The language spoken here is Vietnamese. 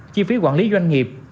chi phí quản lý doanh nghiệp